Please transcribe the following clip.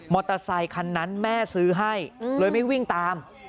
อเตอร์ไซคันนั้นแม่ซื้อให้เลยไม่วิ่งตาม